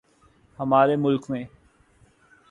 ہمارے ملک میں